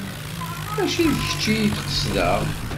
Mačči d kečč i d-qesdeɣ.